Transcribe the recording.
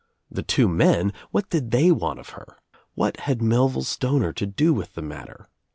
The two men — what did they want of her? What had Melville Stoncr to do with the matter?